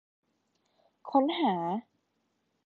ค้นหา